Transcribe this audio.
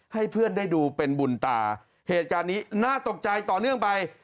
ให้เพื่อนได้ดูเป็นบุญตาเหตุการณ์นี้น่าตกใจต่อเนื่องไป